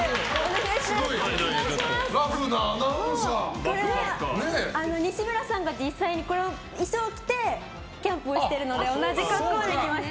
これは、西村さんが実際にこの衣装を着てキャンプをしているので同じ格好で来ました。